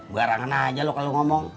barang barang aja lu kalau ngomong